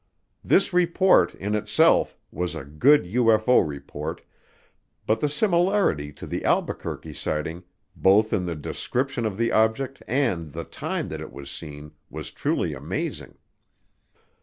This report, in itself, was a good UFO report, but the similarity to the Albuquerque sighting, both in the description of the object and the time that it was seen, was truly amazing.